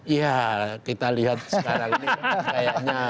iya kita lihat sekarang ini kayaknya